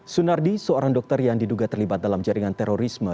sunardi seorang dokter yang diduga terlibat dalam jaringan terorisme